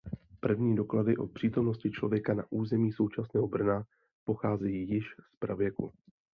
První doklady o přítomnosti člověka na území současného Brna pochází již z pravěku.